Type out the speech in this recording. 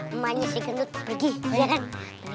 emangnya si gendut pergi boleh kan